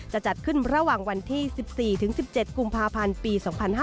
จะจัดขึ้นระหว่างวันที่๑๔๑๗กุมภาพันธ์ปี๒๕๕๙